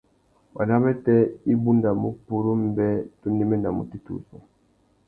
Wandamatê i bundamú purú mbê tu néménamú têtuzú.